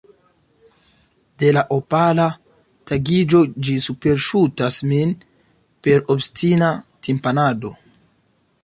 De la opala tagiĝo ĝi superŝutas min per obstina timpanado.